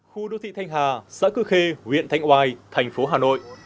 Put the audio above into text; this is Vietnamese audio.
khu đô thị thanh hà xã cư khê huyện thanh oai thành phố hà nội